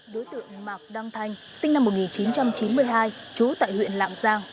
đối tượng mạc đăng thanh sinh năm một nghìn chín trăm chín mươi hai trú tại huyện lạng giang